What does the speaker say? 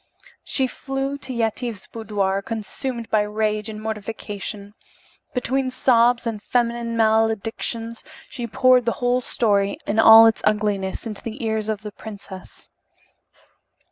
She flew to Yetive's boudoir, consumed by rage and mortification. Between sobs and feminine maledictions she poured the whole story, in all its ugliness, into the ears of the princess.